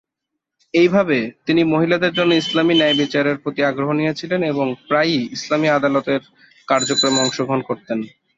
এইভাবে, তিনি মহিলাদের জন্য ইসলামী ন্যায়বিচারের প্রতি আগ্রহ নিয়েছিলেন এবং প্রায়ই ইসলামী আদালতের কার্যক্রমে অংশগ্রহণ করতেন।